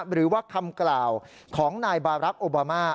หรือว่าคำกล่าวของนายบารักษ์โอบามา